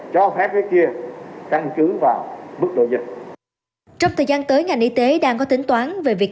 cho phép nước kia căn cứ vào mức độ dịch trong thời gian tới ngành y tế đang có tính toán về việc